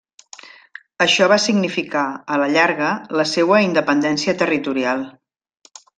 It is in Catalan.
Això va significar, a la llarga, la seua independència territorial.